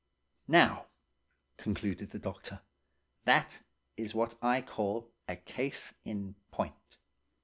"Now," concluded the doctor, "that is what I call a case in point.